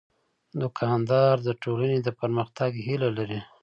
دوکاندار د ټولنې د پرمختګ هیله لري.